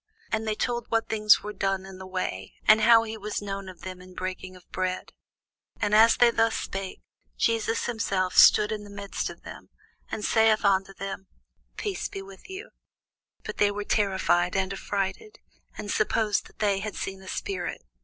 And they told what things were done in the way, and how he was known of them in breaking of bread. And as they thus spake, Jesus himself stood in the midst of them, and saith unto them, Peace be unto you. But they were terrified and affrighted, and supposed that they had seen a spirit.